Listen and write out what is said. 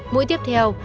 mỗi tiếp theo